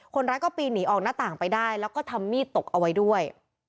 คนร้ายก็ปีนหนีออกหน้าต่างไปได้แล้วก็ทำมีดตกเอาไว้ด้วย